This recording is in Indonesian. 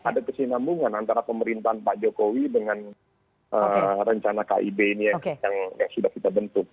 ada kesinambungan antara pemerintahan pak jokowi dengan rencana kib ini yang sudah kita bentuk